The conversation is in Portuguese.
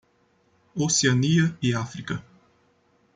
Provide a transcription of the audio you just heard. Oceania e África.